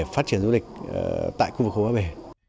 phát triển du lịch tại khu vực hồ ba bể